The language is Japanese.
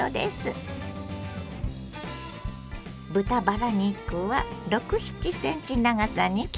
豚バラ肉は６７ｃｍ長さに切ります。